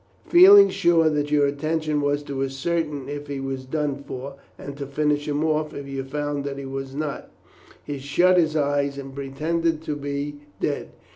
Feeling sure that your intention was to ascertain if he was done for, and to finish him off if you found that he was not, he shut his eyes and pretended to be dead.